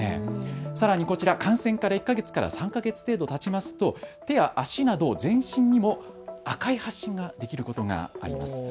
さらに感染から１か月から３か月程度たちますと手や足など全身にも赤い発疹ができることがあります。